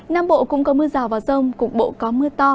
nam bộ cũng có mưa rào và rông cục bộ có mưa to